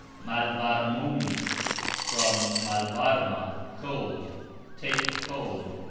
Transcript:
malvarmumi (" "malvarma", cold), take cold.